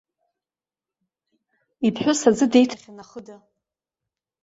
Иԥҳәыс аӡы деиҭахьан ахыда.